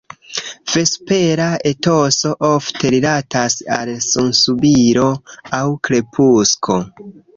Vespera etoso ofte rilatas al sunsubiro aŭ krepusko.